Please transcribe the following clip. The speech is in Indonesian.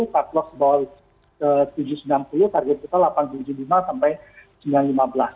cut loss bahwa tujuh ratus sembilan puluh target kita delapan ratus tujuh puluh lima sampai sembilan ratus lima belas